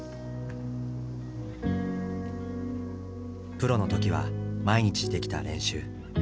プロの時は毎日できた練習。